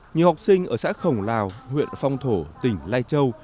nhiều học sinh ở xã khổng lào huyện phong thổ tỉnh lai châu